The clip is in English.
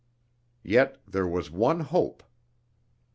Yet there was one hope.